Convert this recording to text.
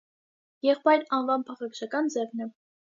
Եղբայր անվան փաղաքշական ձևն է։